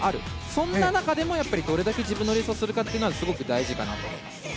そんな中でもどれだけ自分のレースをするかはすごく大事かなと思います。